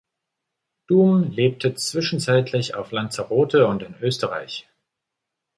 Duhm lebte zwischenzeitlich auf Lanzarote und in Österreich.